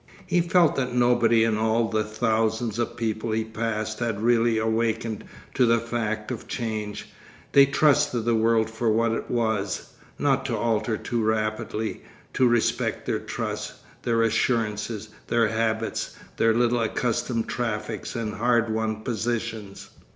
He felt that nobody in all the thousands of people he passed had really awakened to the fact of change, they trusted the world for what it was, not to alter too rapidly, to respect their trusts, their assurances, their habits, their little accustomed traffics and hard won positions.